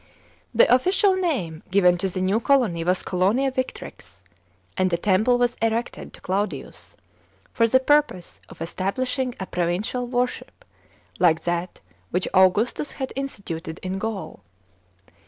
"* The official name given to the new colony was Colonia Yictrix, and a temple was erected to Claudius, lor the purpose of < stabli hin^ a provncial worship like that which Augustus had instituted in Gaul.